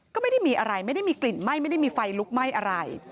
ก็ไม่ได้มีอะไรไม่ได้มีกลิ่นไหม้ไม่ได้มีไฟลุกไหม้อะไร